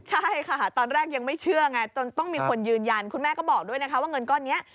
ใช่ค่ะตอนแรกยังไม่เชื่อไงจนต้องมีคนยืนยันคุณแม่ก็บอกด้วยนะคะว่าเงินก้อนนี้